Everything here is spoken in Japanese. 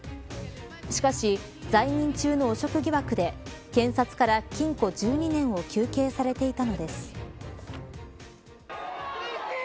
しかし在任中の汚職疑惑で検察から禁錮１２年を求刑されていたのです。